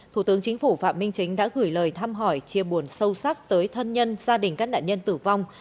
thủ tướng chính phủ phạm minh chính đã gửi lời thăm hỏi chia buồn sâu sắc tới thân nhân gia đình các nạn nhân tử vong